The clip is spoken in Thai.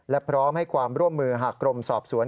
และพร้อมให้ความร่วมมือหากกรมสอบสวน